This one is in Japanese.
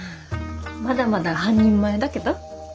まだまだ半人前だけど。